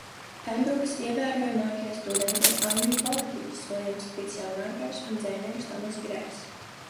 Pembrukas ievērojamākie studenti ir angļu politiķis Viljams Pits Jaunākais un dzejnieks Tomass Grejs.